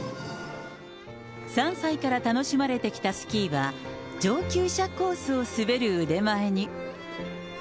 ３歳から楽しまれてきたスキーは、上級者コースを滑る腕前に。